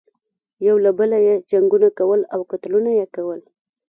یو له بله یې جنګونه کول او قتلونه یې کول.